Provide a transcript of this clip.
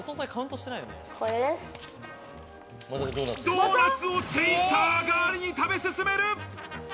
ドーナツをチェイサー代わりに食べ進める。